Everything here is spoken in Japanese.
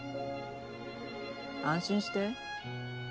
安心して。